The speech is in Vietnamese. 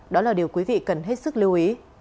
đó là điều quý vị cần hết sức lưu ý